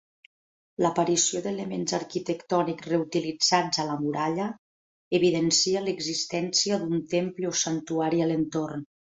L'aparició d'elements arquitectònics reutilitzats a la muralla, evidencia l'existència d'un temple o santuari a l'entorn.